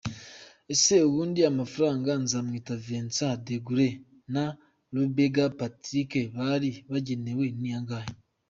Ese ubundi amafaranga Nzamwita Vincent Degaule na Rubega Patrick bari bagenewe ni angahe ?.